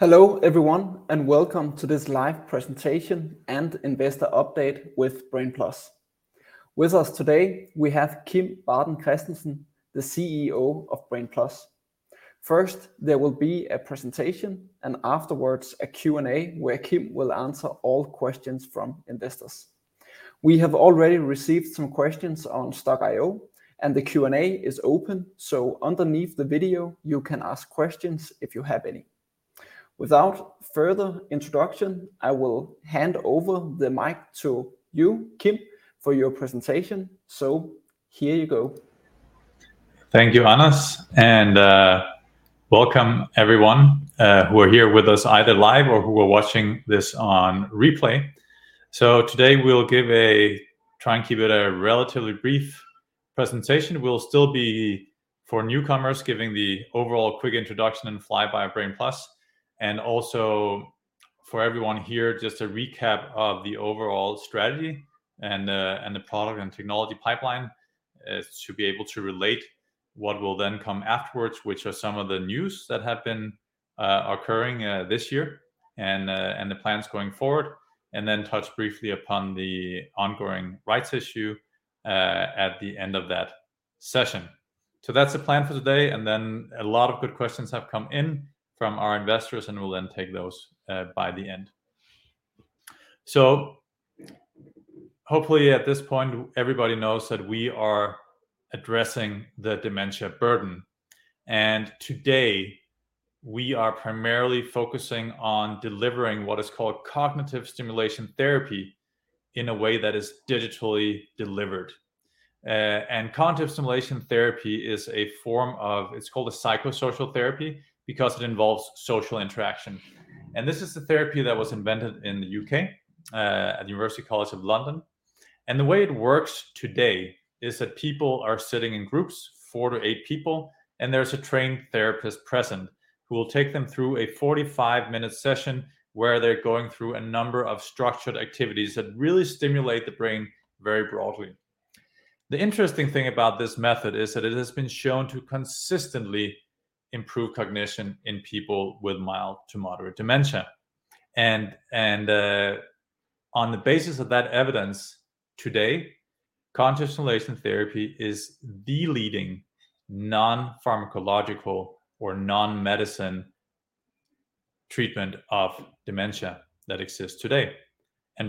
Hello everyone, welcome to this live presentation and investor update with Brain+. With us today we have Kim Baden-Kristensen, the CEO of Brain+. First, there will be a presentation, afterwards a Q&A where Kim will answer all questions from investors. We have already received some questions on Stokk.io, the Q&A is open, underneath the video you can ask questions if you have any. Without further introduction, I will hand over the mic to you, Kim, for your presentation. Here you go. Thank you, Anders, and welcome everyone, who are here with us either live or who are watching this on replay. Today we'll give a try and keep it a relatively brief presentation. We'll still be for newcomers, giving the overall quick introduction and flyby of Brain+, and also for everyone here, just a recap of the overall strategy and the product and technology pipeline, to be able to relate what will then come afterwards, which are some of the news that have been occurring this year and the plans going forward. Then touch briefly upon the ongoing rights issue at the end of that session. That's the plan for today, and then a lot of good questions have come in from our investors, and we'll then take those by the end. Hopefully at this point, everybody knows that we are addressing the dementia burden, today we are primarily focusing on delivering what is called Cognitive Stimulation Therapy in a way that is digitally delivered. Cognitive Stimulation Therapy is a form of, it's called a psychosocial therapy because it involves social interaction. This is the therapy that was invented in the U.K., at University College London, and the way it works today is that people are sitting in groups, four to eight people, and there's a trained therapist present who will take them through a 45-minute session where they're going through a number of structured activities that really stimulate the brain very broadly. The interesting thing about this method is that it has been shown to consistently improve cognition in people with mild to moderate dementia. On the basis of that evidence, today, Cognitive Stimulation Therapy is the leading non-pharmacological or non-medicine treatment of dementia that exists today.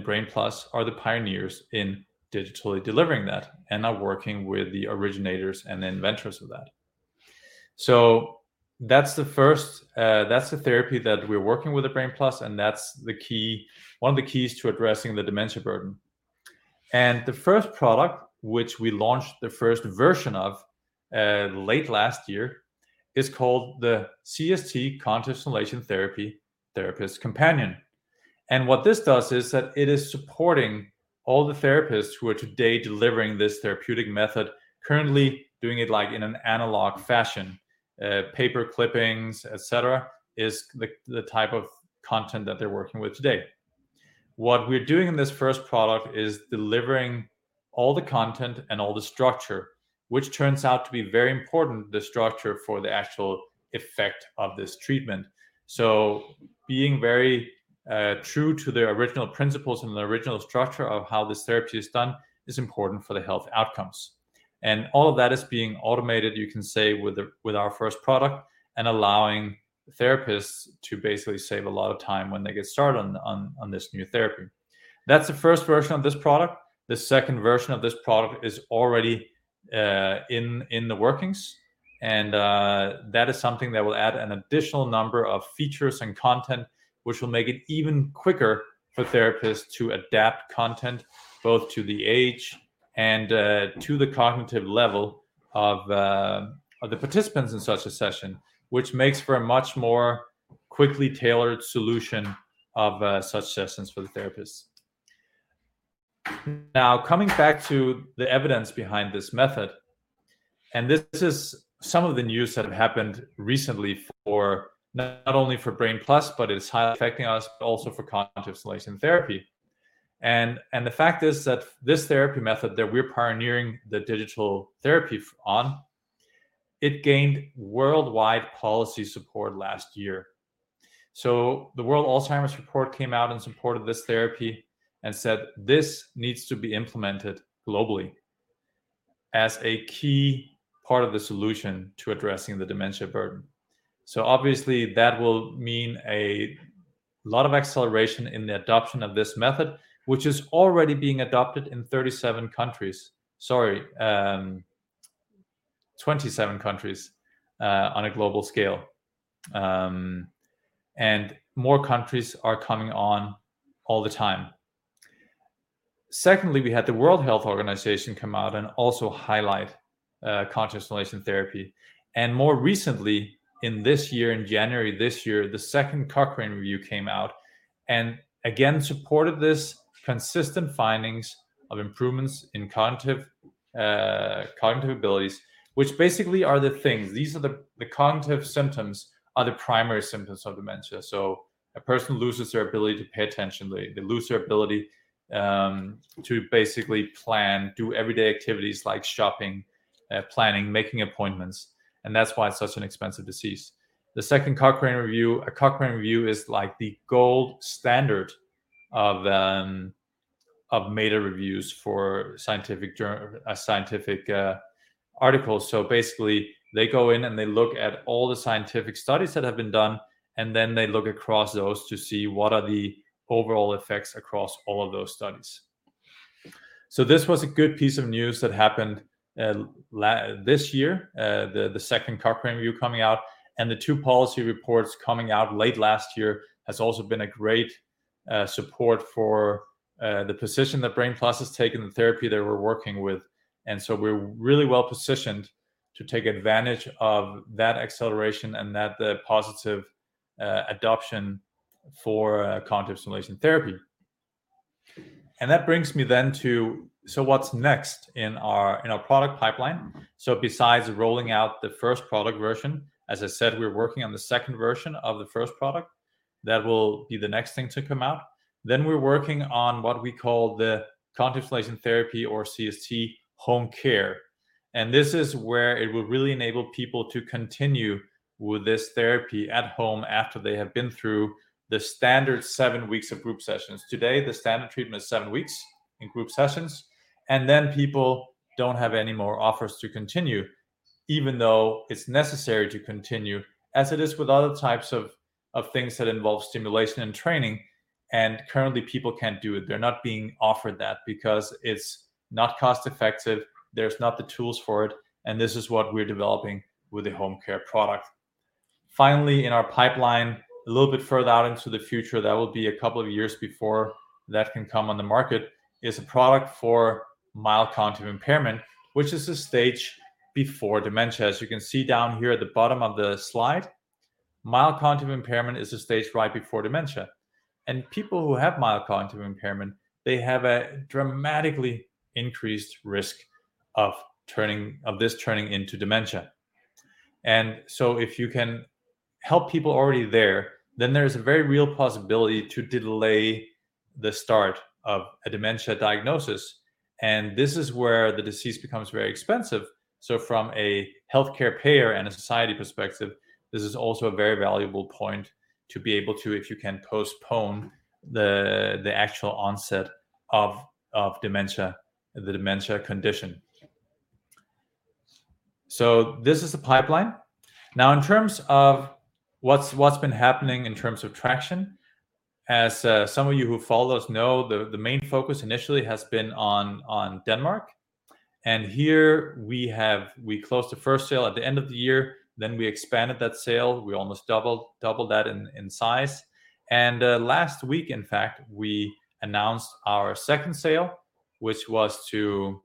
Brain+ are the pioneers in digitally delivering that and are working with the originators and inventors of that. That's the first, that's the therapy that we're working with at Brain+, and that's the key, one of the keys to addressing the dementia burden. The first product, which we launched the first version of late last year, is called the CST Cognitive Stimulation Therapy Therapist Companion. What this does is that it is supporting all the therapists who are today delivering this therapeutic method, currently doing it like in an analog fashion, paper clippings, et cetera, is the type of content that they're working with today. What we're doing in this first product is delivering all the content and all the structure which turns out to be very important, the structure for the actual effect of this treatment. Being very true to their original principles and the original structure of how this therapy is done is important for the health outcomes. All of that is being automated, you can say, with our first product and allowing therapists to basically save a lot of time when they get started on this new therapy. That's the first version of this product. The second version of this product is already in the workings. That is something that will add an additional number of features and content, which will make it even quicker for therapists to adapt content both to the age and to the cognitive level of the participants in such a session, which makes for a much more quickly tailored solution of such sessions for the therapists. Coming back to the evidence behind this method, this is some of the news that have happened recently for not only for Brain+, but is highly affecting us also for Cognitive Stimulation Therapy. The fact is that this therapy method that we're pioneering the digital therapy on, it gained worldwide policy support last year. The World Alzheimer Report came out in support of this therapy and said this needs to be implemented globally as a key part of the solution to addressing the dementia burden. Obviously that will mean a lot of acceleration in the adoption of this method, which is already being adopted in 37 countries. Sorry, 27 countries on a global scale. And more countries are coming on all the time. Secondly, we had the World Health Organization come out and also highlight Cognitive Stimulation Therapy. More recently in this year, in January this year, the second Cochrane Review came out and again supported this consistent findings of improvements in cognitive abilities, which basically are the things, these are the cognitive symptoms are the primary symptoms of dementia. A person loses their ability to pay attention, they lose their ability to basically plan, do everyday activities like shopping, planning, making appointments, and that's why it's such an expensive disease. The second Cochrane Review, a Cochrane Review is like the gold standard of meta reviews for scientific articles. Basically, they go in and they look at all the scientific studies that have been done, and then they look across those to see what are the overall effects across all of those studies. This was a good piece of news that happened this year, the second Cochrane Review coming out, and the two policy reports coming out late last year has also been a great support for the position that Brain+ has taken, the therapy that we're working with. We're really well positioned to take advantage of that acceleration and that, the positive adoption for Cognitive Stimulation Therapy. What's next in our product pipeline? Besides rolling out the first product version, as I said, we're working on the second version of the first product. That will be the next thing to come out. We're working on what we call the Cognitive Stimulation Therapy or CST-Home Care, and this is where it will really enable people to continue with this therapy at home after they have been through the standard seven weeks of group sessions. Today, the standard treatment is seven weeks in group sessions. People don't have any more offers to continue, even though it's necessary to continue, as it is with other types of things that involve stimulation and training. People can't do it. They're not being offered that because it's not cost-effective, there's not the tools for it. This is what we're developing with the CST-Home Care product. Finally, in our pipeline, a little bit further out into the future, that will be two years before that can come on the market, is a product for mild cognitive impairment, which is the stage before dementia. As you can see down here at the bottom of the slide, mild cognitive impairment is the stage right before dementia. People who have mild cognitive impairment, they have a dramatically increased risk of this turning into dementia. If you can help people already there, then there's a very real possibility to delay the start of a dementia diagnosis, and this is where the disease becomes very expensive. From a healthcare payer and a society perspective, this is also a very valuable point to be able to, if you can postpone the actual onset of dementia, the dementia condition. This is the pipeline. In terms of what's been happening in terms of traction, as some of you who follow us know, the main focus initially has been on Denmark. Here we have, we closed the first sale at the end of the year, then we expanded that sale. We almost doubled that in size. Last week, in fact, we announced our second sale, which was to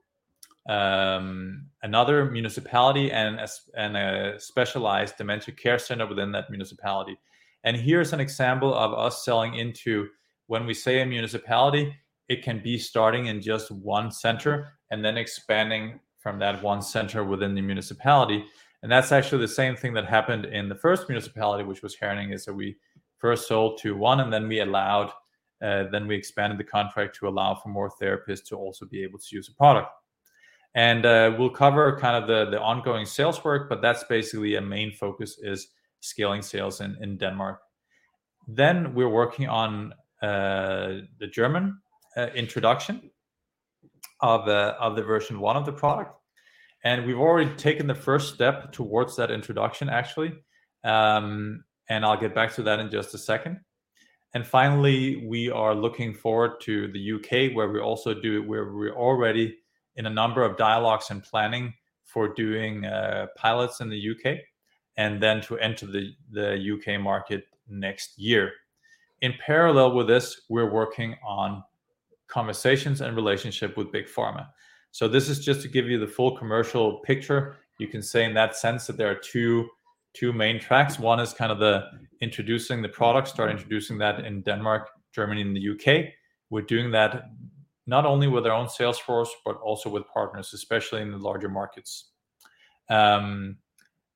another municipality and a specialized dementia care center within that municipality. Here's an example of us selling into, when we say a municipality, it can be starting in just one center and then expanding from that one center within the municipality, and that's actually the same thing that happened in the first municipality, which was Herning, is that we first sold to one, then we expanded the contract to allow for more therapists to also be able to use the product. We'll cover kind of the ongoing sales work, but that's basically a main focus is scaling sales in Denmark. We're working on the German introduction of the version 1 of the product, and we've already taken the first step towards that introduction, actually. I'll get back to that in just a second. Finally, we are looking forward to the U.K., where we're already in a number of dialogues and planning for doing pilots in the U.K., and then to enter the U.K. market next year. In parallel with this, we're working on conversations and relationship with Big Pharma. This is just to give you the full commercial picture. You can say in that sense that there are two main tracks. One is kind of the introducing the product, start introducing that in Denmark, Germany, and the U.K. We're doing that not only with our own sales force, but also with partners, especially in the larger markets. In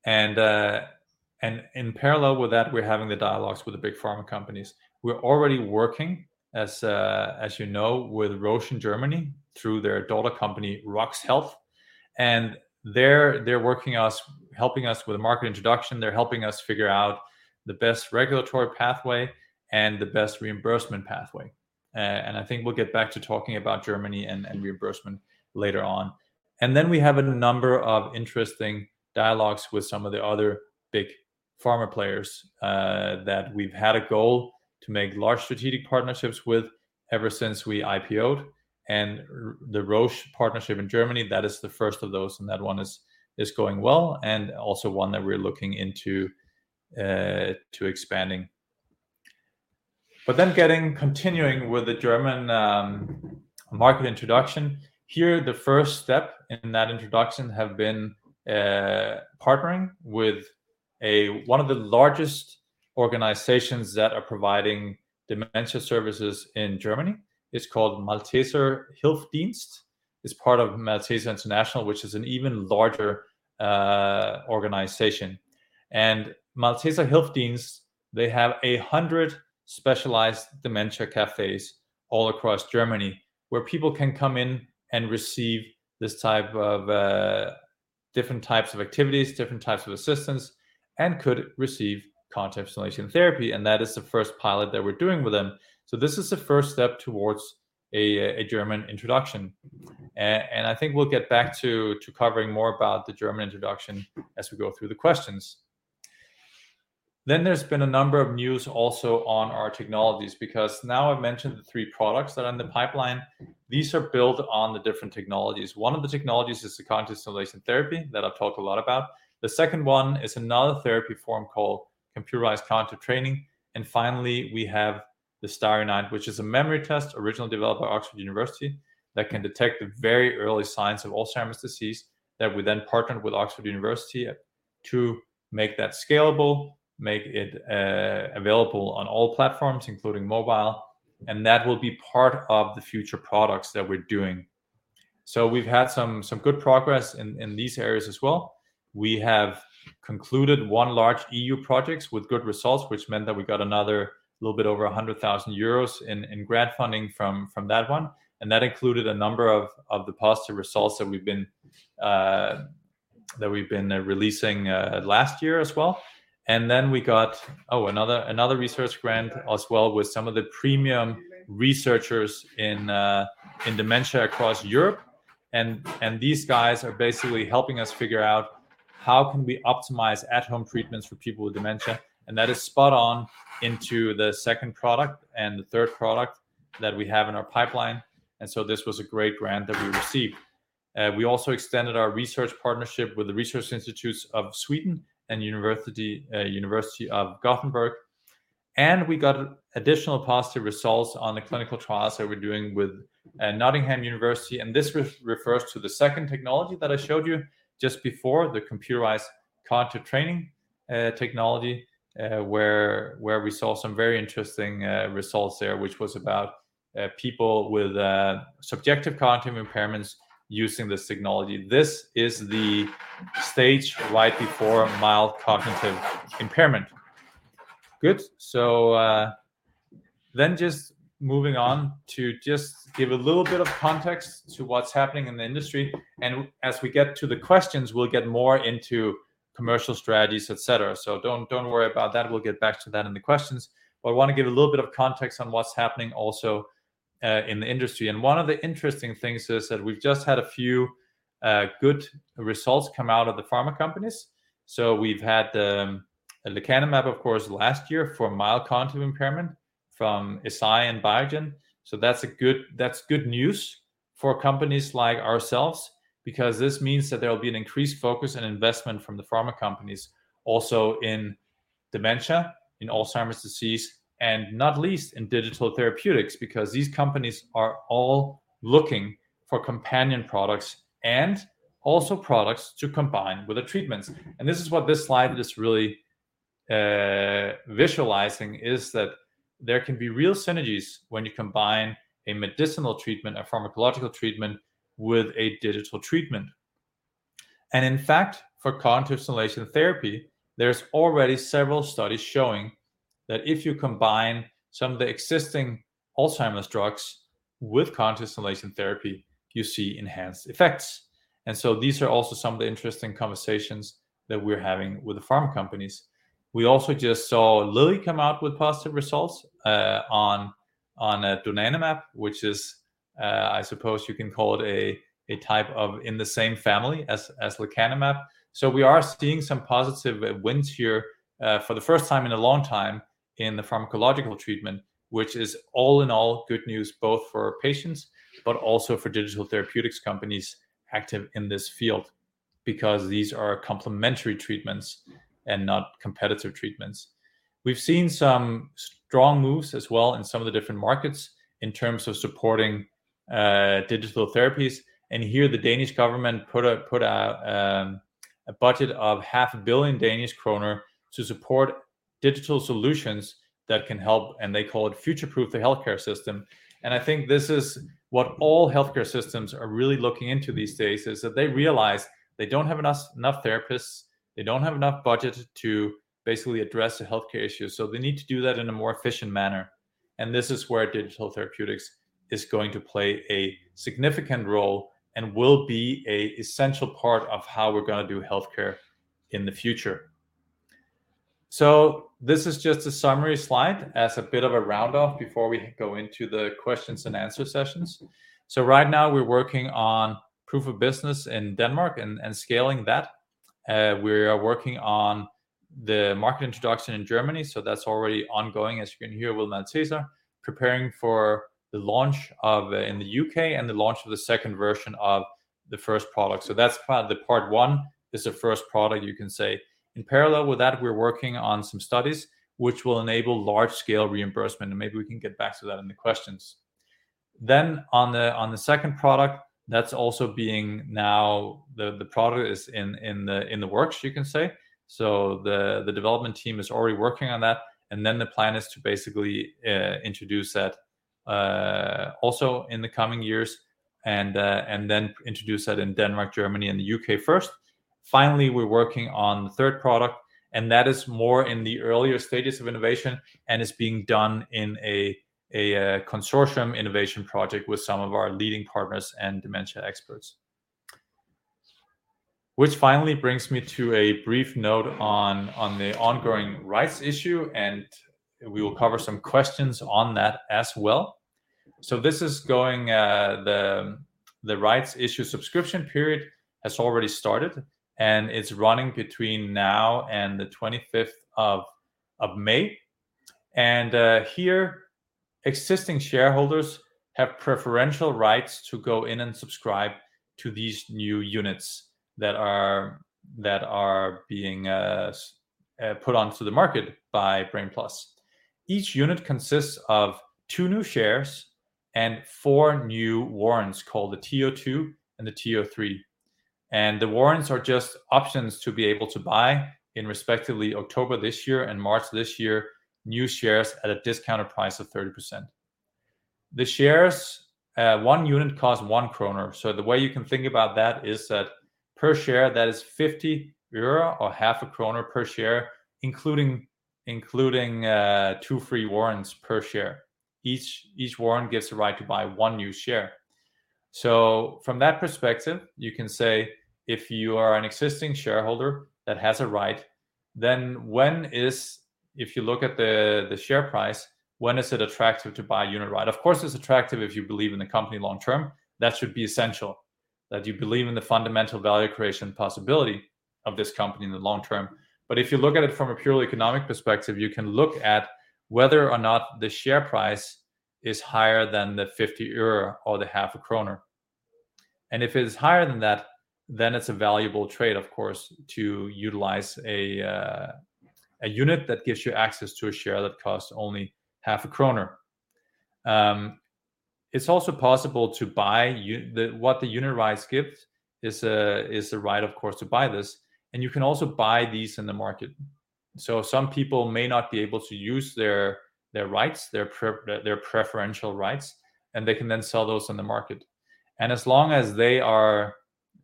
parallel with that, we're having the dialogues with the big pharma companies. We're already working, as you know, with Roche in Germany through their daughter company, RoX Health. They're working us, helping us with the market introduction. They're helping us figure out the best regulatory pathway and the best reimbursement pathway. I think we'll get back to talking about Germany and reimbursement later on. Then we have a number of interesting dialogues with some of the other big pharma players that we've had a goal to make large strategic partnerships with ever since we IPO'd. The Roche partnership in Germany, that is the first of those, and that one is going well, and also one that we're looking into to expanding. Getting, continuing with the German market introduction, here the first step in that introduction have been partnering with one of the largest organizations that are providing dementia services in Germany. It's called Malteser Hilfsdienst. It's part of Malteser International, which is an even larger organization. Malteser Hilfsdienst, they have 100 specialized dementia cafes all across Germany where people can come in and receive this type of different types of activities, different types of assistance, and could receive Cognitive Stimulation Therapy, and that is the first pilot that we're doing with them. This is the first step towards a German introduction. I think we'll get back to covering more about the German introduction as we go through the questions. There's been a number of news also on our technologies, because now I've mentioned the three products that are in the pipeline. These are built on the different technologies. One of the technologies is the Cognitive Stimulation Therapy that I've talked a lot about. The second one is another therapy form called computerized cognitive training. Finally, we have the Starry Night, which is a memory test originally developed by Oxford University that can detect the very early signs of Alzheimer's disease that we then partnered with Oxford University to make that scalable, make it available on all platforms, including mobile, and that will be part of the future products that we're doing. We've had some good progress in these areas as well. We have concluded one large E.U. project with good results, which meant that we got another little bit over 100,000 euros in grant funding from that one. That included a number of the positive results that we've been releasing last year as well. Then we got another research grant as well with some of the premium researchers in dementia across Europe. These guys are basically helping us figure out how can we optimize at-home treatments for people with dementia. That is spot on into the second product and the third product that we have in our pipeline. This was a great grant that we received. We also extended our research partnership with the Research Institutes of Sweden and University of Gothenburg. We got additional positive results on the clinical trials that we're doing with University of Nottingham. This refers to the second technology that I showed you just before, the computerized cognitive training technology, where we saw some very interesting results there, which was about people with subjective cognitive impairments using this technology. This is the stage right before mild cognitive impairment. Good? Just moving on to just give a little bit of context to what's happening in the industry. As we get to the questions, we'll get more into commercial strategies, et cetera. Don't worry about that. We'll get back to that in the questions. I want to give a little bit of context on what's happening also in the industry. One of the interesting things is that we've just had a few good results come out of the pharma companies. We've had lecanemab, of course, last year for mild cognitive impairment from Eisai and Biogen. That's good news for companies like ourselves because this means that there will be an increased focus and investment from the pharma companies also in dementia, in Alzheimer's disease, and not least in digital therapeutics, because these companies are all looking for companion products and also products to combine with the treatments. This is what this slide is really visualizing, is that there can be real synergies when you combine a medicinal treatment, a pharmacological treatment, with a digital treatment. In fact, for Cognitive Stimulation Therapy, there's already several studies showing that if you combine some of the existing Alzheimer's drugs with Cognitive Stimulation Therapy, you see enhanced effects. These are also some of the interesting conversations that we're having with the pharma companies. We also just saw Lilly come out with positive results on donanemab, which is I suppose you can call it a type of in the same family as lecanemab. We are seeing some positive wins here for the first time in a long time in the pharmacological treatment, which is all in all good news both for patients but also for digital therapeutics companies active in this field, because these are complementary treatments and not competitive treatments. We've seen some strong moves as well in some of the different markets in terms of supporting, digital therapies. Here the Danish government put a budget of 500 million Danish kroner to support digital solutions that can help, and they call it future-proof the healthcare system. I think this is what all healthcare systems are really looking into these days, is that they realize they don't have enough therapists, they don't have enough budget to basically address the healthcare issues, so they need to do that in a more efficient manner. This is where digital therapeutics is going to play a significant role and will be a essential part of how we're gonna do healthcare in the future. This is just a summary slide as a bit of a round off before we go into the questions and answer sessions. Right now we're working on proof of business in Denmark and scaling that. We are working on the market introduction in Germany, so that's already ongoing as you can hear with Malteser, preparing for the launch in the U.K. and the launch of the second version of the first product. That's kind of the part one is the first product you can say. In parallel with that, we're working on some studies which will enable large scale reimbursement, and maybe we can get back to that in the questions. On the second product, that's also being now the product is in the works, you can say. The development team is already working on that. The plan is to basically introduce that also in the coming years, and then introduce that in Denmark, Germany, and the U.K. first. Finally, we're working on the third product, and that is more in the earlier stages of innovation and is being done in a consortium innovation project with some of our leading partners and dementia experts. Which finally brings me to a brief note on the ongoing rights issue, and we will cover some questions on that as well. This is going, the rights issue subscription period has already started, and it's running between now and the 25th of May. Here existing shareholders have preferential rights to go in and subscribe to these new units that are being put onto the market by Brain+. Each unit consists of two new shares and four new warrants called the TO 2 and the TO 3. The warrants are just options to be able to buy in respectively October this year and March this year, new shares at a discounted price of 30%. The shares, one unit costs 1 kroner. The way you can think about that is that per share, that is 0.50 euro or half a kroner per share, including two free warrants per share. Each warrant gives the right to buy one new share. From that perspective, you can say if you are an existing shareholder that has a right, then when is, if you look at the share price, when is it attractive to buy a unit right? Of course, it's attractive if you believe in the company long term. That should be essential, that you believe in the fundamental value creation possibility of this company in the long term. If you look at it from a purely economic perspective, you can look at whether or not the share price is higher than the 50 euro or the half a kroner. If it is higher than that, then it's a valuable trade, of course, to utilize a unit that gives you access to a share that costs only half a kroner. It's also possible to buy the, what the unit rights gives is the right of course to buy this. You can also buy these in the market. Some people may not be able to use their rights, their preferential rights. They can then sell those on the market. As long as they are,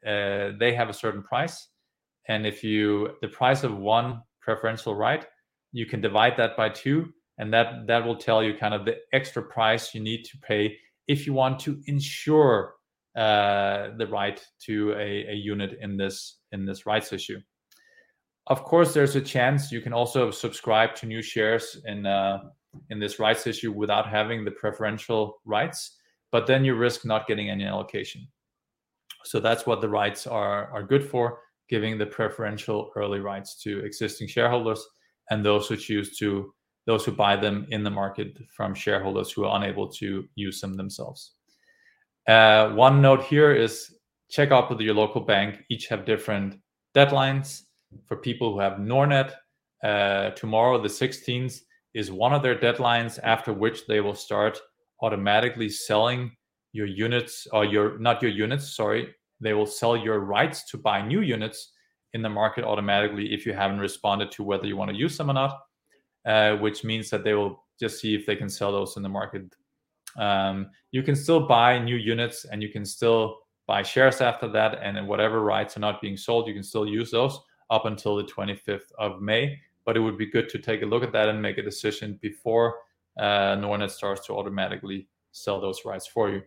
they have a certain price, if you the price of one preferential right, you can divide that by two and that will tell you kind of the extra price you need to pay if you want to ensure the right to a unit in this rights issue. Of course, there's a chance you can also subscribe to new shares in this rights issue without having the preferential rights. Then you risk not getting any allocation. That's what the rights are good for, giving the preferential early rights to existing shareholders and those who choose to those who buy them in the market from shareholders who are unable to use them themselves. One note here is check out with your local bank, each have different deadlines. For people who have Nordnet, tomorrow, the 16th is one of their deadlines after which they will start automatically selling your units or your. Not your units, sorry. They will sell your rights to buy new units in the market automatically if you haven't responded to whether you want to use them or not, which means that they will just see if they can sell those in the market. You can still buy new units, you can still buy shares after that, whatever rights are not being sold, you can still use those up until the 25th of May. It would be good to take a look at that and make a decision before Nordnet starts to automatically sell those rights for you.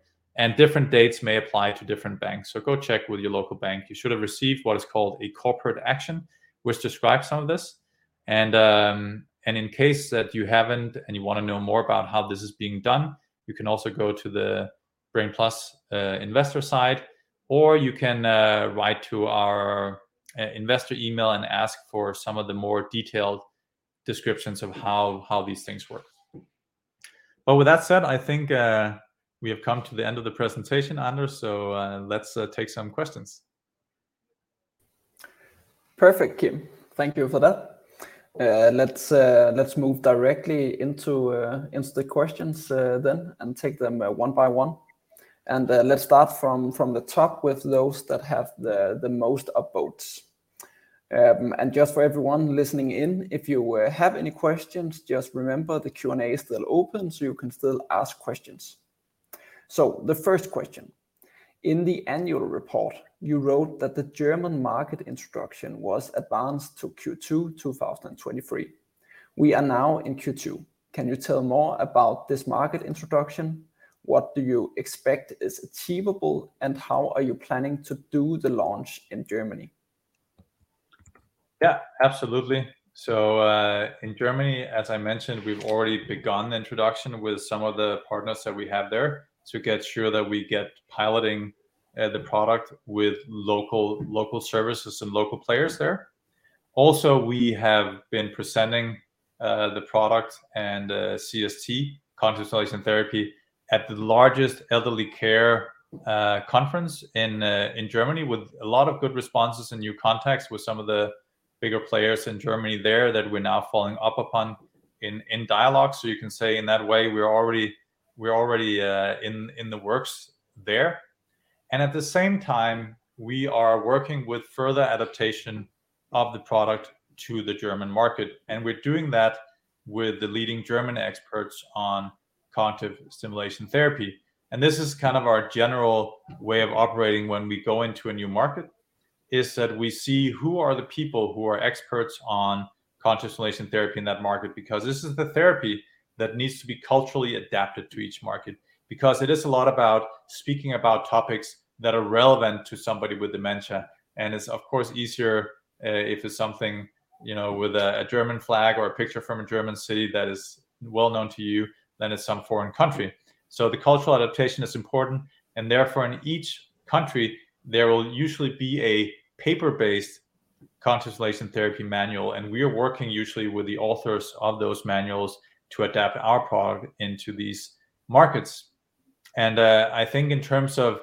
Different dates may apply to different banks. Go check with your local bank. You should have received what is called a corporate action, which describes some of this. In case that you haven't and you want to know more about how this is being done, you can also go to the Brain+ investor side, or you can write to our investor email and ask for some of the more detailed descriptions of how these things work. With that said, I think, we have come to the end of the presentation, Anders. Let's take some questions. Perfect, Kim. Thank you for that. Let's move directly into the questions and take them one by one. Let's start from the top with those that have the most upvotes. Just for everyone listening in, if you have any questions, just remember the Q&A is still open, so you can still ask questions. The first question. In the annual report, you wrote that the German market introduction was advanced to Q2 2023. We are now in Q2. Can you tell more about this market introduction? What do you expect is achievable, and how are you planning to do the launch in Germany? Yeah, absolutely. In Germany, as I mentioned, we've already begun the introduction with some of the partners that we have there to get sure that we get piloting the product with local services and local players there. Also, we have been presenting the product and CST, Cognitive Stimulation Therapy, at the largest elderly care conference in Germany with a lot of good responses and new contacts with some of the bigger players in Germany there that we're now following up upon in dialogue. You can say in that way we're already in the works there. At the same time, we are working with further adaptation of the product to the German market, and we're doing that with the leading German experts on Cognitive Stimulation Therapy. This is kind of our general way of operating when we go into a new market is that we see who are the people who are experts on Cognitive Stimulation Therapy in that market, because this is the therapy that needs to be culturally adapted to each market because it is a lot about speaking about topics that are relevant to somebody with dementia and is of course easier, if it's something, you know, with a German flag or a picture from a German city that is well known to you than in some foreign country. The cultural adaptation is important and therefore in each country there will usually be a paper-based Cognitive Stimulation Therapy manual, and we are working usually with the authors of those manuals to adapt our product into these markets. I think in terms of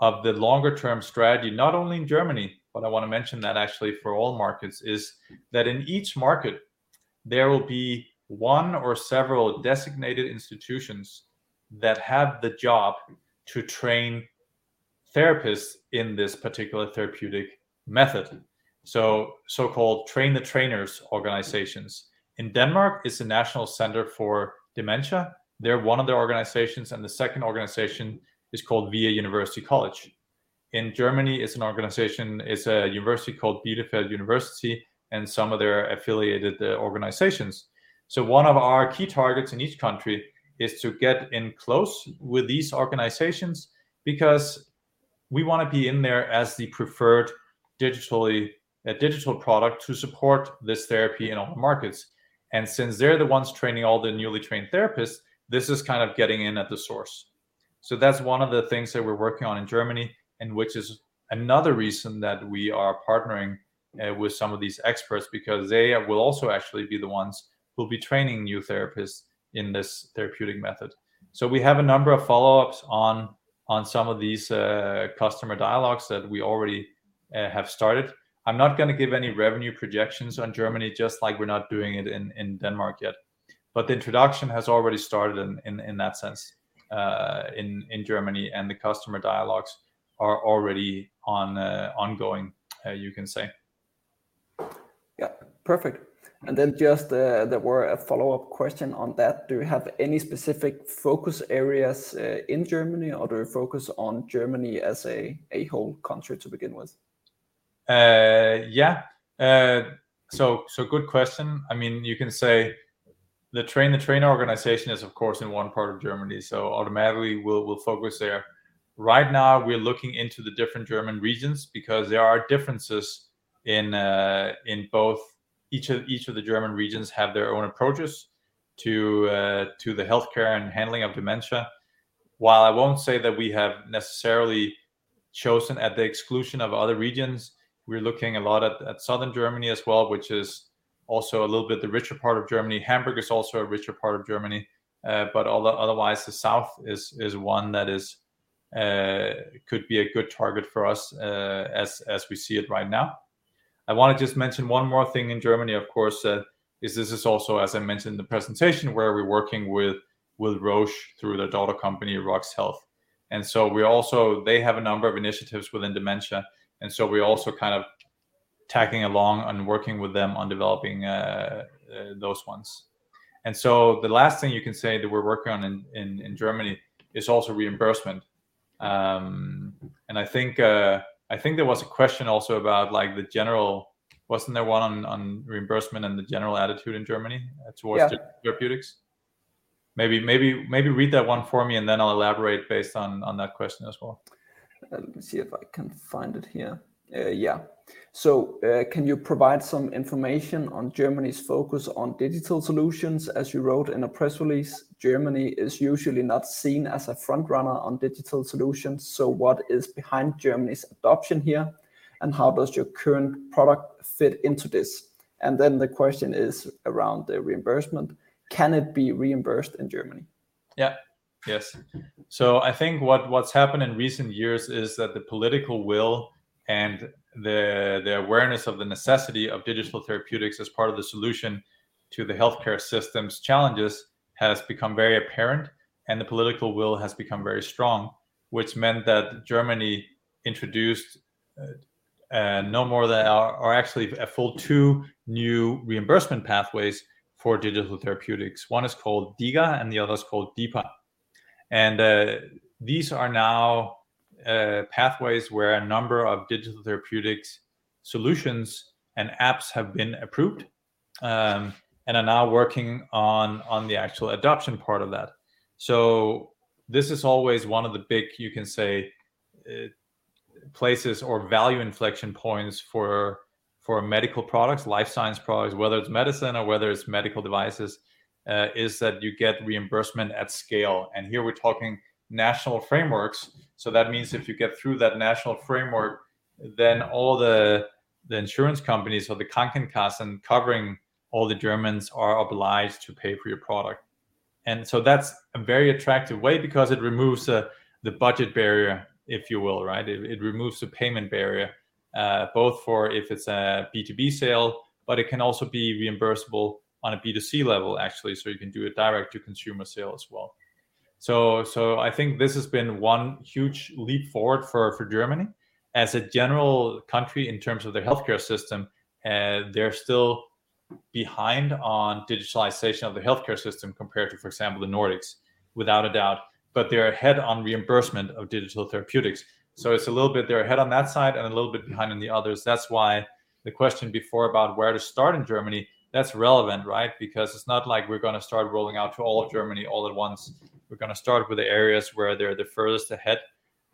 the longer term strategy, not only in Germany, but I want to mention that actually for all markets, is that in each market there will be one or several designated institutions that have the job to train therapists in this particular therapeutic method, so so-called train-the-trainer organizations. In Denmark it's the Danish Dementia Research Centre. They're one of the organizations, and the second organization is called VIA University College. In Germany it's an organization, it's a university called Bielefeld University and some of their affiliated organizations. One of our key targets in each country is to get in close with these organizations because we wanna be in there as the preferred digitally digital product to support this therapy in all the markets. Since they're the ones training all the newly trained therapists, this is kind of getting in at the source. That's one of the things that we're working on in Germany and which is another reason that we are partnering with some of these experts because they will also actually be the ones who will be training new therapists in this therapeutic method. We have a number of follow-ups on some of these customer dialogues that we already have started. I'm not gonna give any revenue projections on Germany, just like we're not doing it in Denmark yet, but the introduction has already started in that sense, in Germany and the customer dialogues are already ongoing, you can say. Yeah. Perfect. Just, there were a follow-up question on that. Do you have any specific focus areas, in Germany, or do you focus on Germany as a whole country to begin with? Yeah. Good question. I mean you can say the train-the-trainer organization is of course in one part of Germany. Automatically we'll focus there. Right now we're looking into the different German regions because there are differences in both each of the German regions have their own approaches to the healthcare and handling of dementia. While I won't say that we have necessarily chosen at the exclusion of other regions, we're looking a lot at Southern Germany as well, which is also a little bit the richer part of Germany. Hamburg is also a richer part of Germany. Otherwise the south is one that could be a good target for us as we see it right now. I wanna just mention one more thing in Germany, of course, this is also as I mentioned the presentation where we're working with Roche through their daughter company, RoX Health. They have a number of initiatives within dementia, we're also kind of tagging along and working with them on developing those ones. The last thing you can say that we're working on in Germany is also reimbursement. I think there was a question also about like the general. Wasn't there one on reimbursement and the general attitude in Germany towards- Yeah -therapeutics? Maybe read that one for me and then I'll elaborate based on that question as well. Let me see if I can find it here. Yeah. Can you provide some information on Germany's focus on digital solutions? As you wrote in a press release, Germany is usually not seen as a front runner on digital solutions. What is behind Germany's adoption here, and how does your current product fit into this? The question is around the reimbursement, can it be reimbursed in Germany? Yes. I think what's happened in recent years is that the political will and the awareness of the necessity of digital therapeutics as part of the solution to the healthcare system's challenges has become very apparent, and the political will has become very strong, which meant that Germany introduced actually a full two new reimbursement pathways for digital therapeutics. One is called DiGA and the other is called DiPA. These are now pathways where a number of digital therapeutics solutions and apps have been approved and are now working on the actual adoption part of that. This is always one of the big, you can say, places or value inflection points for medical products, life science products, whether it's medicine or whether it's medical devices, is that you get reimbursement at scale, and here we're talking national frameworks, so that means if you get through that national framework, then all the insurance companies or the Krankenkassen covering all the Germans are obliged to pay for your product. That's a very attractive way because it removes the budget barrier, if you will, right? It removes the payment barrier. Both for if it's a B2B sale, but it can also be reimbursable on a B2C level actually, so you can do a direct to consumer sale as well. I think this has been one huge leap forward for Germany. As a general country in terms of their healthcare system, they're still behind on digitalization of the healthcare system compared to, for example, the Nordics, without a doubt, but they're ahead on reimbursement of digital therapeutics. It's a little bit they're ahead on that side and a little bit behind on the others. That's why the question before about where to start in Germany, that's relevant, right? It's not like we're gonna start rolling out to all of Germany all at once. We're gonna start with the areas where they're the furthest ahead,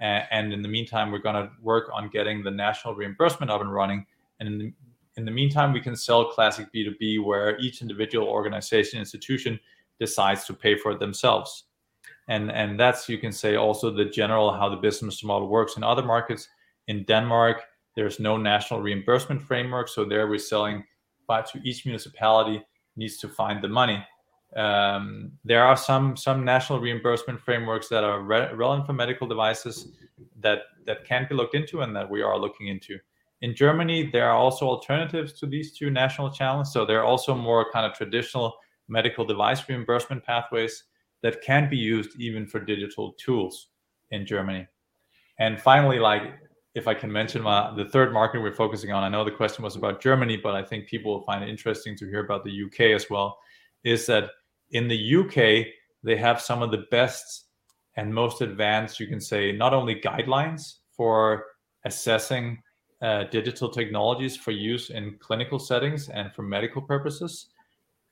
and in the meantime, we're gonna work on getting the national reimbursement up and running, and in the, in the meantime, we can sell classic B2B where each individual organization, institution decides to pay for it themselves. That's, you can say also the general how the business model works in other markets. In Denmark, there's no national reimbursement framework, so there we're selling to each municipality needs to find the money. There are some national reimbursement frameworks that are relevant for medical devices that can be looked into and that we are looking into. In Germany, there are also alternatives to these two national channels, so there are also more kind of traditional medical device reimbursement pathways that can be used even for digital tools in Germany. Finally, like, if I can mention my. The third market we're focusing on, I know the question was about Germany, but I think people will find it interesting to hear about the U.K. as well, is that in the U.K. They have some of the best and most advanced, you can say, not only guidelines for assessing digital technologies for use in clinical settings and for medical purposes,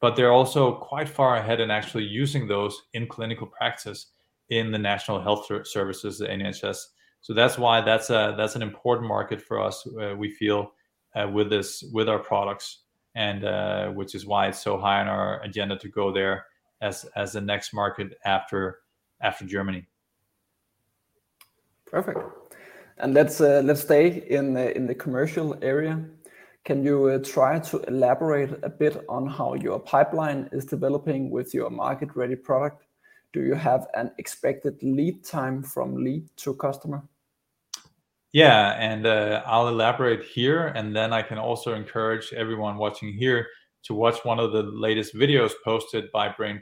but they're also quite far ahead in actually using those in clinical practice in the National Health Services, the NHS. That's an important market for us, we feel, with this, with our products, and which is why it's so high on our agenda to go there as the next market after Germany. Perfect. Let's stay in the commercial area. Can you try to elaborate a bit on how your pipeline is developing with your market-ready product? Do you have an expected lead time from lead to customer? Yeah, I'll elaborate here, and then I can also encourage everyone watching here to watch one of the latest videos posted by Brain+,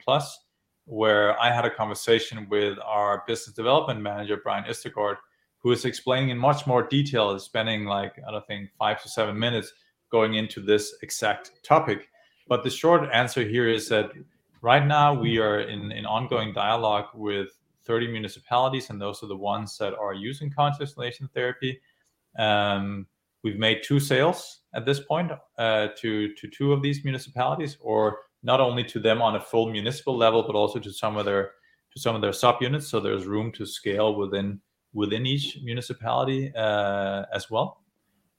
where I had a conversation with our Business Development Manager, Brian Østergaard, who is explaining in much more detail, is spending like, I don't think, five to seven minutes going into this exact topic. The short answer here is that right now we are in ongoing dialogue with 30 municipalities, and those are the ones that are using Cognitive Stimulation Therapy. We've made two sales at this point to two of these municipalities, or not only to them on a full municipal level but also to some of their subunits, so there's room to scale within each municipality as well.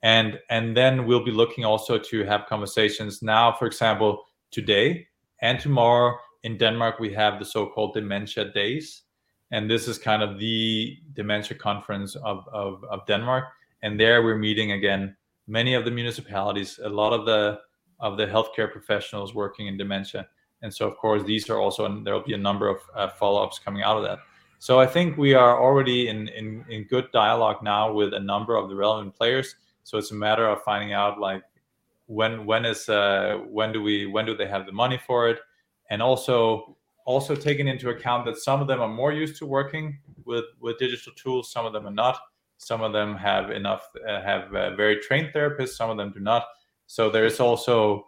Then we'll be looking also to have conversations now, for example, today and tomorrow in Denmark we have the so-called Dementia Days, and this is kind of the dementia conference of Denmark. There we're meeting again many of the municipalities, a lot of the healthcare professionals working in dementia. Of course these are also. There will be a number of follow-ups coming out of that. I think we are already in good dialogue now with a number of the relevant players, so it's a matter of finding out, like, when is, when do we, when do they have the money for it, and also taking into account that some of them are more used to working with digital tools, some of them are not. Some of them have very trained therapists, some of them do not. There is also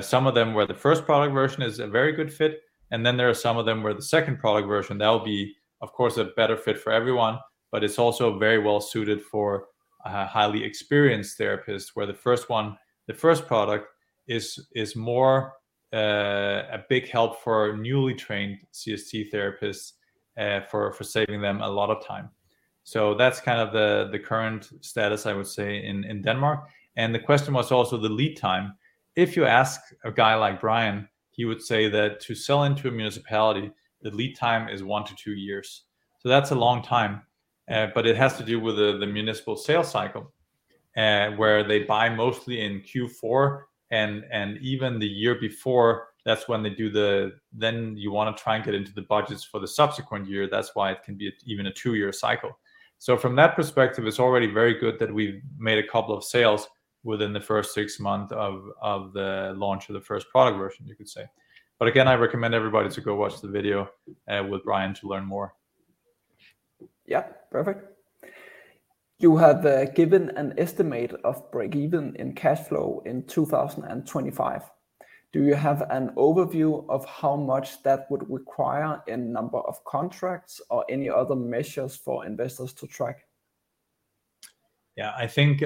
some of them where the first product version is a very good fit, and then there are some of them where the second product version, that will be, of course, a better fit for everyone. It's also very well suited for a highly experienced therapist, where the first one, the first product is more a big help for newly trained CST therapists for saving them a lot of time. That's kind of the current status, I would say, in Denmark. The question was also the lead time. If you ask a guy like Brian, he would say that to sell into a municipality, the lead time is one to two years. That's a long time, but it has to do with the municipal sales cycle, where they buy mostly in Q4 and even the year before. That's when they do the. You wanna try and get into the budgets for the subsequent year, that's why it can be even a two-year cycle. From that perspective, it's already very good that we've made a couple of sales within the first six month of the launch of the first product version, you could say. Again, I recommend everybody to go watch the video with Brian to learn more. Yeah. Perfect. You have given an estimate of break even in cash flow in 2025. Do you have an overview of how much that would require in number of contracts or any other measures for investors to track? Yeah. I think,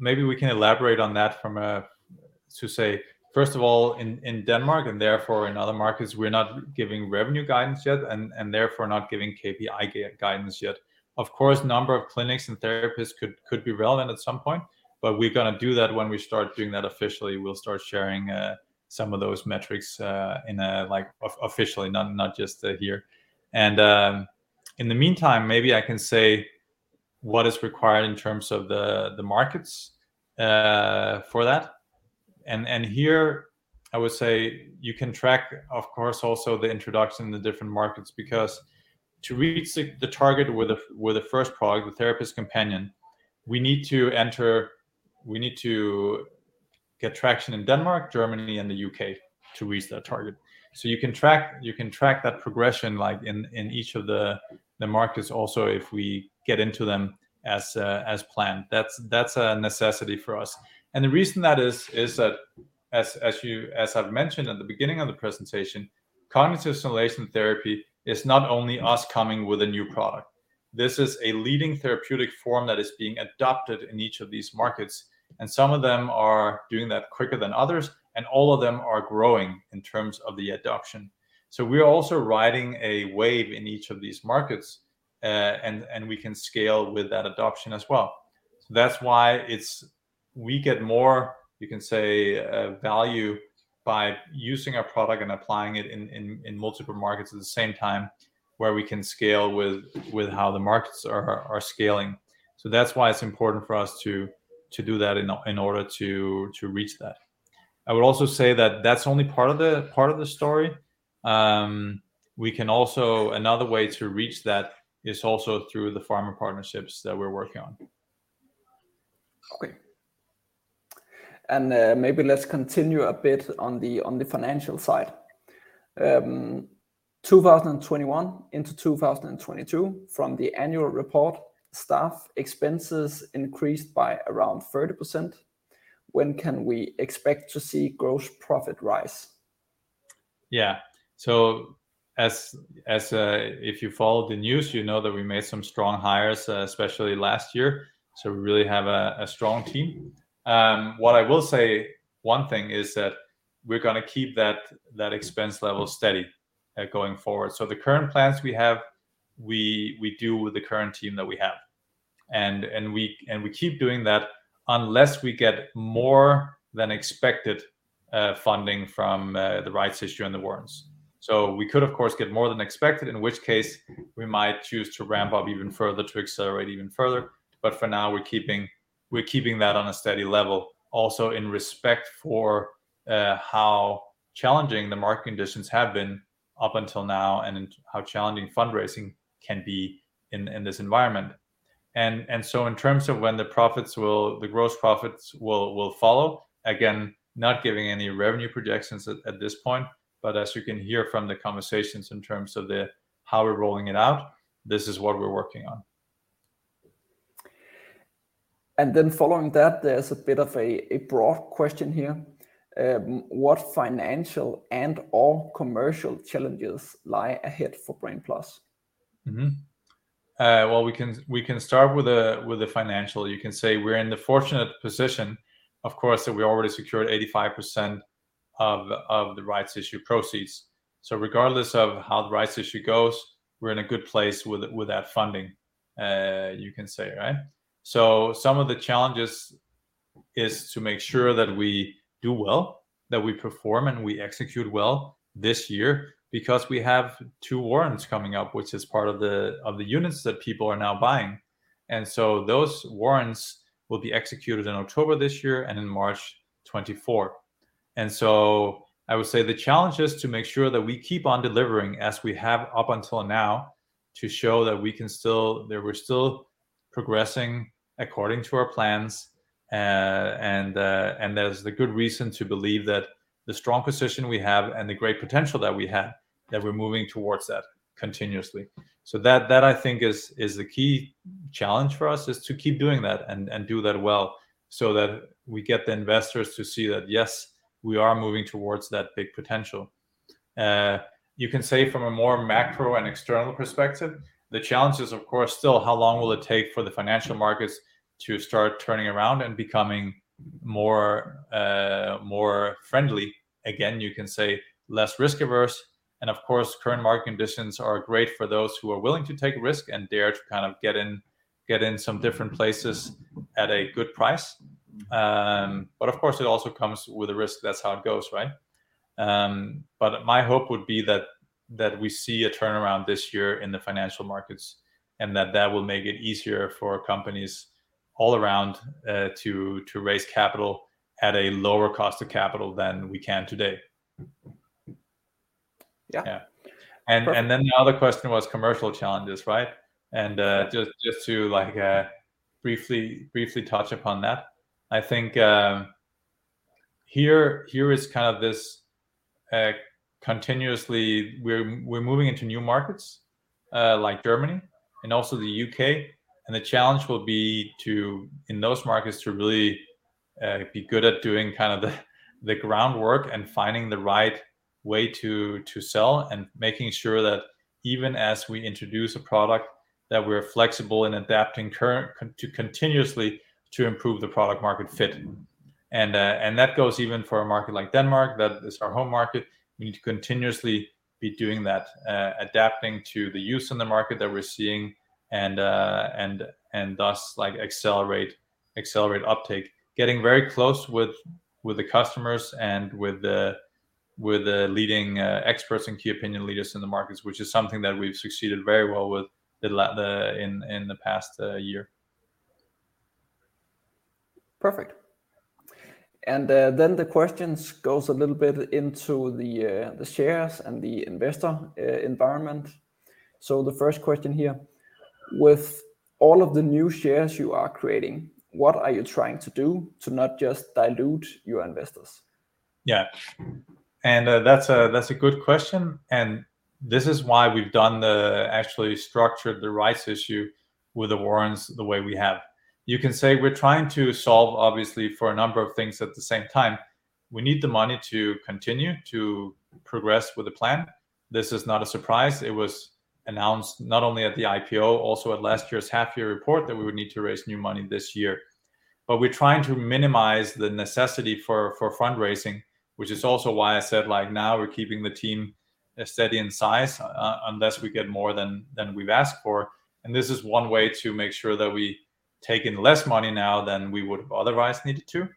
maybe we can elaborate on that from a first of all, in Denmark and therefore in other markets, we're not giving revenue guidance yet and therefore not giving KPI guidance yet. Of course, number of clinics and therapists could be relevant at some point, but we're gonna do that when we start doing that officially. We'll start sharing some of those metrics in a officially, not just here. In the meantime, maybe I can say what is required in terms of the markets for that. Here I would say you can track, of course, also the introduction in the different markets. To reach the target with the, with the first product, with Therapist Companion, we need to get traction in Denmark, Germany, and the U.K. to reach that target. You can track that progression like in each of the markets also if we get into them as planned. That's a necessity for us. The reason that is that as I've mentioned at the beginning of the presentation, Cognitive Stimulation Therapy is not only us coming with a new product. This is a leading therapeutic form that is being adopted in each of these markets, and some of them are doing that quicker than others, and all of them are growing in terms of the adoption. We're also riding a wave in each of these markets, and we can scale with that adoption as well. That's why we get more, you can say, value by using our product and applying it in multiple markets at the same time where we can scale with how the markets are scaling. That's why it's important for us to do that in order to reach that. I would also say that that's only part of the story. Another way to reach that is also through the pharma partnerships that we're working on. Okay. Maybe let's continue a bit on the, on the financial side. 2021 into 2022, from the annual report, staff expenses increased by around 30%. When can we expect to see gross profit rise? Yeah. As, if you follow the news, you know that we made some strong hires, especially last year, so we really have a strong team. What I will say, one thing is that we're gonna keep that expense level steady going forward. The current plans we have, we do with the current team that we have. We keep doing that unless we get more than expected funding from the rights issue and the warrants. We could, of course, get more than expected, in which case we might choose to ramp up even further to accelerate even further. For now, we're keeping that on a steady level also in respect for how challenging the market conditions have been up until now and how challenging fundraising can be in this environment. In terms of when the profits will, the gross profits will follow, again, not giving any revenue projections at this point, but as you can hear from the conversations in terms of the how we're rolling it out, this is what we're working on. Following that, there's a bit of a broad question here. What financial and/or commercial challenges lie ahead for Brain+? Mm-hmm. Well, we can start with the financial. You can say we're in the fortunate position, of course, that we already secured 85% of the rights issue proceeds. Regardless of how the rights issue goes, we're in a good place with that funding, you can say, right? Some of the challenges is to make sure that we do well, that we perform and we execute well this year, because we have two warrants coming up, which is part of the units that people are now buying. Those warrants will be executed in October this year and in March 2024. I would say the challenge is to make sure that we keep on delivering as we have up until now to show that we're still progressing according to our plans, and there's the good reason to believe that the strong position we have and the great potential that we have, that we're moving towards that continuously. That, I think, is the key challenge for us is to keep doing that and do that well so that we get the investors to see that, yes, we are moving towards that big potential. You can say from a more macro and external perspective, the challenge is of course still how long will it take for the financial markets to start turning around and becoming more friendly. Again, you can say less risk-averse. Of course, current market conditions are great for those who are willing to take risk and dare to kind of get in, get in some different places at a good price. Of course, it also comes with a risk. That's how it goes, right? My hope would be that we see a turnaround this year in the financial markets, and that that will make it easier for companies all around to raise capital at a lower cost of capital than we can today. Yeah. Yeah. Then the other question was commercial challenges, right? Just to like briefly touch upon that, I think, here is kind of this continuously we're moving into new markets, like Germany and also the U.K., and the challenge will be to, in those markets, to really be good at doing kind of the groundwork and finding the right way to sell and making sure that even as we introduce a product, that we're flexible in adapting continuously to improve the product market fit. That goes even for a market like Denmark, that is our home market. We need to continuously be doing that, adapting to the use in the market that we're seeing and thus like accelerate uptake. Getting very close with the customers and with the leading experts and key opinion leaders in the markets, which is something that we've succeeded very well with in the past year. Perfect. Then the questions goes a little bit into the shares and the investor environment. The first question here, with all of the new shares you are creating, what are you trying to do to not just dilute your investors? Yeah. That's a, that's a good question, and this is why we've done actually structured the rights issue with the warrants the way we have. You can say we're trying to solve obviously for a number of things at the same time. We need the money to continue to progress with the plan. This is not a surprise. It was announced not only at the IPO, also at last year's half-year report that we would need to raise new money this year. We're trying to minimize the necessity for fundraising, which is also why I said, like now we're keeping the team steady in size unless we get more than we've asked for, and this is one way to make sure that we take in less money now than we would have otherwise needed to.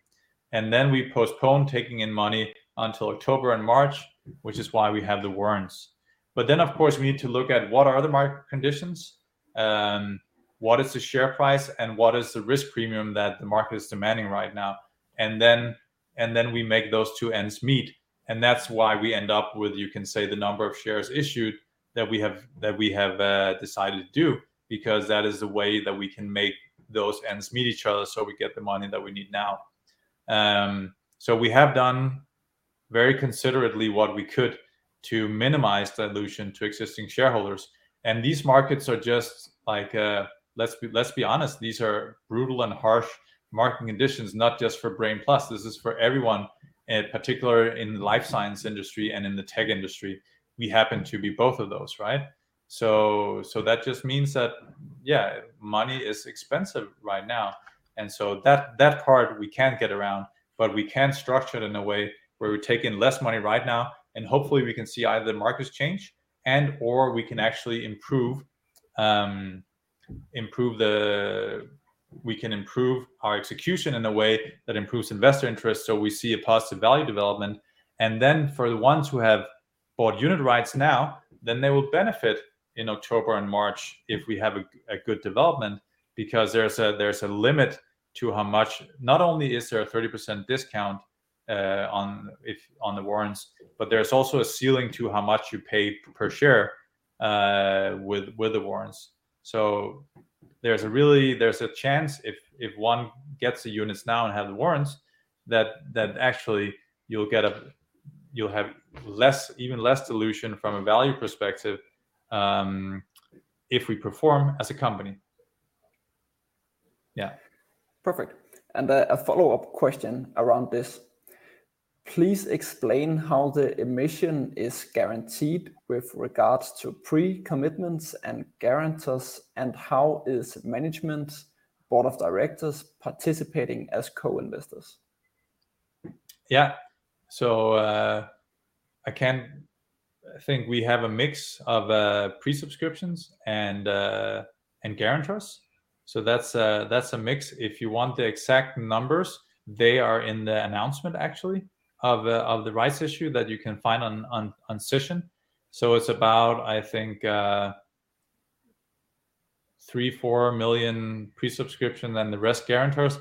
We postpone taking in money until October and March, which is why we have the warrants. Of course, we need to look at what are the market conditions, what is the share price and what is the risk premium that the market is demanding right now? We make those two ends meet. That's why we end up with the number of shares issued that we have decided to do, because that is the way that we can make those ends meet each other so we get the money that we need now. We have done very considerately what we could to minimize dilution to existing shareholders. These markets are just like, let's be honest, these are brutal and harsh market conditions, not just for Brain+, this is for everyone, in particular in the life science industry and in the tech industry. We happen to be both of those, right? That just means that, yeah, money is expensive right now. That part we can't get around, but we can structure it in a way where we take in less money right now, and hopefully we can see either the markets change and/or we can actually improve, we can improve our execution in a way that improves investor interest so we see a positive value development. For the ones who have bought unit rights now, then they will benefit in October and March if we have a good development because there's a limit to how much. Not only is there a 30% discount on if, on the warrants, but there's also a ceiling to how much you pay per share with the warrants. There's a chance if one gets the units now and have the warrants that actually you'll have less, even less dilution from a value perspective if we perform as a company. Yeah. Perfect. A follow-up question around this. Please explain how the emission is guaranteed with regards to pre-commitments and guarantors, and how is management board of directors participating as co-investors? I think we have a mix of pre-subscriptions and guarantors. That's a mix. If you want the exact numbers, they are in the announcement actually of the rights issue that you can find on Cision. It's about, I think, 3-4 million pre-subscription, then the rest guarantors.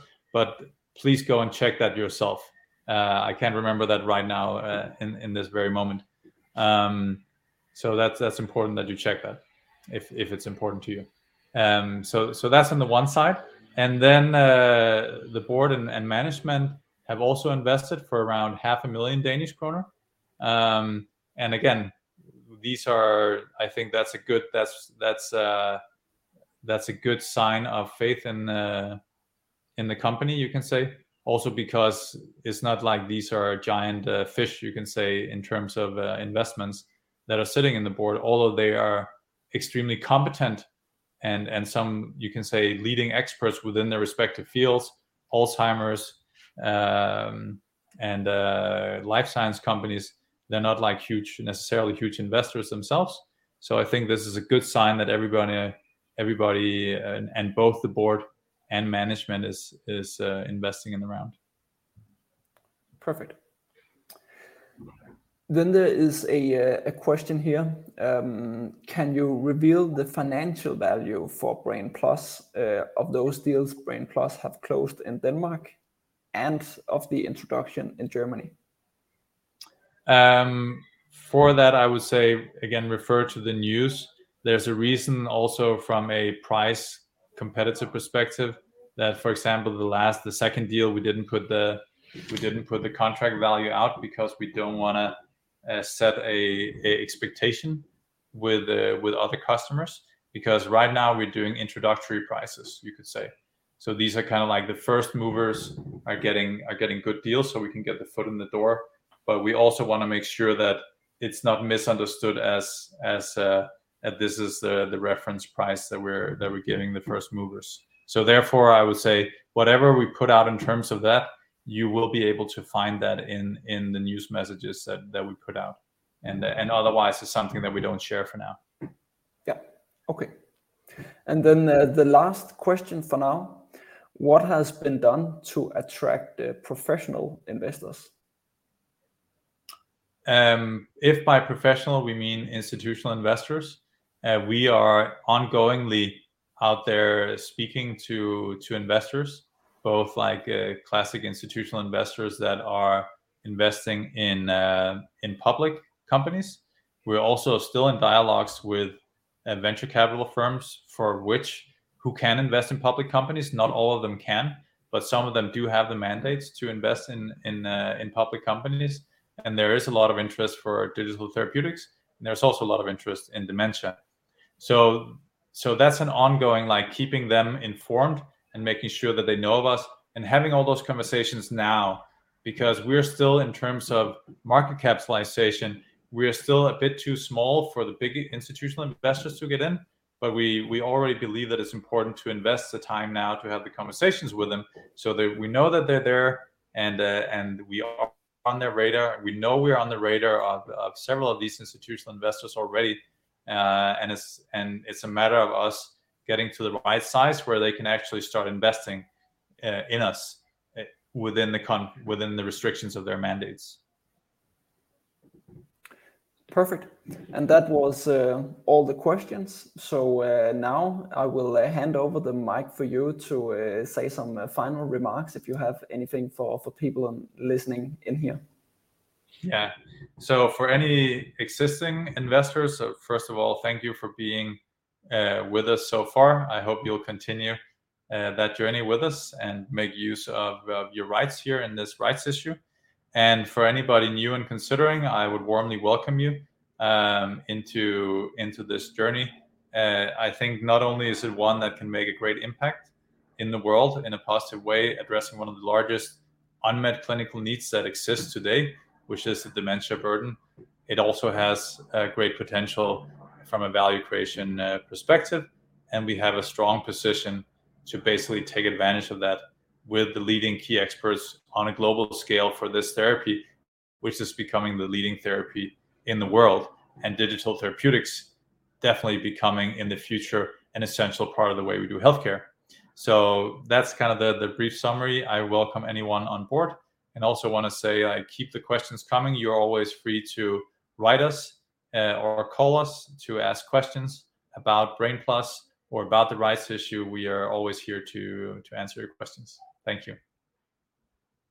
Please go and check that yourself. I can't remember that right now, in this very moment. That's important that you check that if it's important to you. That's on the one side. Then the board and management have also invested for around half a million Danish kroner. Again, I think that's a good, that's a good sign of faith in the company, you can say. Also because it's not like these are giant fish, you can say, in terms of investments that are sitting in the board, although they are extremely competent and some, you can say, leading experts within their respective fields, Alzheimer's, and life science companies. They're not like huge, necessarily huge investors themselves. I think this is a good sign that everybody and both the board and management is investing in the round. Perfect. There is a question here. Can you reveal the financial value for Brain+ of those deals Brain+ have closed in Denmark and of the introduction in Germany? For that I would say again, refer to the news. There's a reason also from a price competitive perspective that, for example, the last, the second deal, we didn't put the, we didn't put the contract value out because we don't wanna set a expectation with other customers, because right now we're doing introductory prices, you could say. These are kinda like the first movers are getting, are getting good deals so we can get the foot in the door. We also wanna make sure that it's not misunderstood as that this is the reference price that we're, that we're giving the first movers. Therefore, I would say whatever we put out in terms of that, you will be able to find that in the news messages that we put out. Otherwise, it's something that we don't share for now. Yeah. Okay. Then, the last question for now, what has been done to attract professional investors? If by professional we mean institutional investors, we are ongoingly out there speaking to investors, both like classic institutional investors that are investing in public companies. We're also still in dialogues with venture capital firms for which who can invest in public companies. Not all of them can, but some of them do have the mandates to invest in public companies, and there is a lot of interest for digital therapeutics, and there's also a lot of interest in dementia. That's an ongoing, like, keeping them informed and making sure that they know of us and having all those conversations now because we're still, in terms of market capitalization, we are still a bit too small for the big institutional investors to get in, but we already believe that it's important to invest the time now to have the conversations with them so that we know that they're there and we are on their radar. We know we're on the radar of several of these institutional investors already. And it's a matter of us getting to the right size where they can actually start investing in us within the restrictions of their mandates. Perfect. That was all the questions. Now I will hand over the mic for you to say some final remarks if you have anything for people listening in here. Yeah. For any existing investors, first of all, thank you for being with us so far. I hope you'll continue that journey with us and make use of your rights here in this rights issue. For anybody new and considering, I would warmly welcome you into this journey. I think not only is it one that can make a great impact in the world in a positive way, addressing one of the largest unmet clinical needs that exists today, which is the dementia burden, it also has a great potential from a value creation perspective. We have a strong position to basically take advantage of that with the leading key experts on a global scale for this therapy, which is becoming the leading therapy in the world, and digital therapeutics definitely becoming, in the future, an essential part of the way we do healthcare. That's kind of the brief summary. I welcome anyone on board. Also wanna say, keep the questions coming. You're always free to write us or call us to ask questions about Brain+ or about the rights issue. We are always here to answer your questions. Thank you.